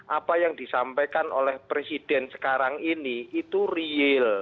apa yang disampaikan oleh presiden sekarang ini itu real